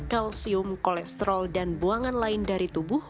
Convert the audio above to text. kalsium kolesterol dan buangan lain dari tubuh